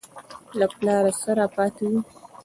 له پلاره څه راپاته وو.